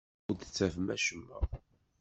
Ur d-ttafen acemma.